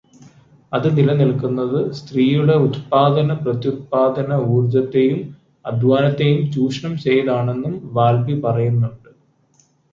അത് നിലനിൽക്കുന്നത് സ്ത്രീയുടെ ഉത്പാദന-പ്രത്യുത്പാദന ഊർജത്തെയും അധ്വാനത്തെയും ചൂഷണം ചെയ്താണെന്നും വാൽബി പറയുന്നുണ്ട്.